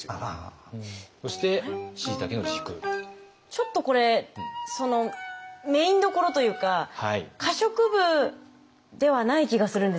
ちょっとこれそのメインどころというか可食部ではない気がするんですけど。